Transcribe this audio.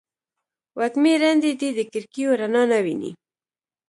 وږمې ړندې دي د کړکېو رڼا نه ویني